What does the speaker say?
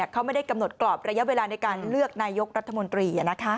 เขาไม่ได้กำหนดกรอบระยะเวลาในการเลือกนายกรัฐมนตรี